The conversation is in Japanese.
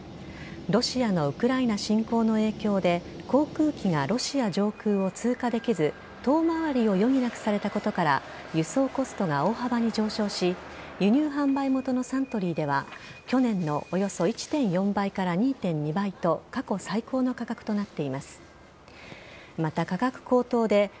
ロシアのウクライナ侵攻の影響で航空機がロシア上空を通過できず遠回りを余儀なくされたことから輸送コストが大幅に上昇し輸入販売元のサントリーでは去年のおよそ１．４倍から２．２倍と過去最高の価格となっています。